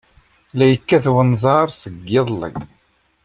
La yekkat wenẓar seg yiḍelli.